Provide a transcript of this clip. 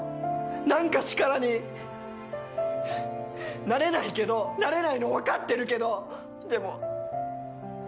何か力に、なれないけどなれないの分かってるけどでも。